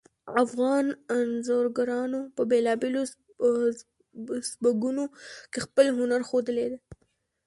افغان انځورګرانو په بیلابیلو سبکونو کې خپل هنر ښودلی ده